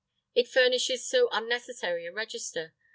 It furnishes so unnecessary a register.